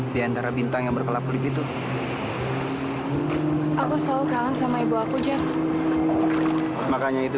di antara bintang yang berkelap kulit itu aku selalu kangen sama ibu aku jer makanya itu